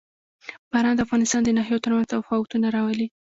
باران د افغانستان د ناحیو ترمنځ تفاوتونه راولي.